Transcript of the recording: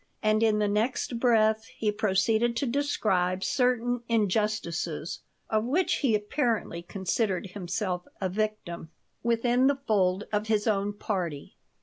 And in the next breath he proceeded to describe certain injustices (of which he apparently considered himself a victim) within the fold of his own party.